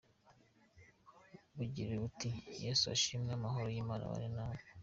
Bugira buti “Yesu ashimwe! Amahoro y’Imana abane namwe.